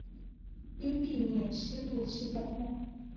应避免吸入其粉末。